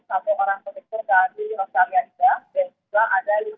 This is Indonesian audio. keselamatan yang kami dapatkan